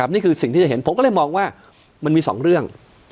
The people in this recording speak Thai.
นี่คือสิ่งที่จะเห็นผมก็เลยมองว่ามันมี๒เรื่อง